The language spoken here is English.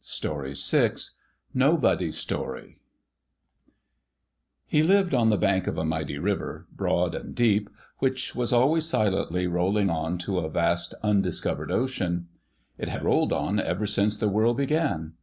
NOBODY'S STORY nobody's story He lived on the bank of a mighty river, broad and deep, which was ahvays silently rolling on to a vast undiscovered ocean. It had rolled on, ever since the world began.